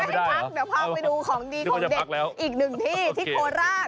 ให้พักเดี๋ยวพาไปดูของดีของเด็ดอีกหนึ่งที่ที่โคราช